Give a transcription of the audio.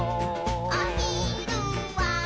「おひるは」